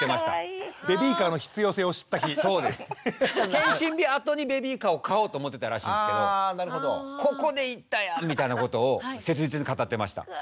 健診日あとにベビーカーを買おうと思ってたらしいんですけどここでいったやんみたいなことを切実に語ってました。